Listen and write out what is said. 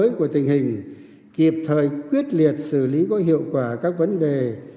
năng lực của tình hình kịp thời quyết liệt xử lý có hiệu quả các vấn đề